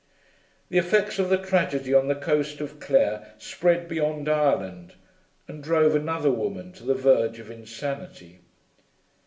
The effects of the tragedy on the coast of Clare spread beyond Ireland, and drove another woman to the verge of insanity.